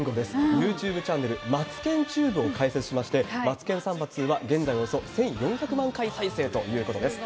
ＹｏｕＴｕｂｅチャンネル、マツケンＴｕｂｅを開設しまして、マツケンサンバＩＩは、現在およそ１４００万回再生ということです。